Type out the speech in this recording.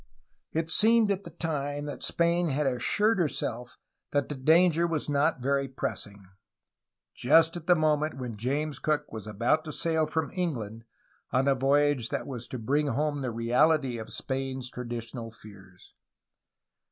It seemed at the time that Spain had assured herself that the danger was not very pressing, — just at the moment when James Cook was about to sail from England on a voyage that was to ANTONIO BUCARELI 281 bring home the reality of Spain^s traditional fears